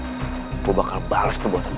aku mau pulang udah khusus buat barisan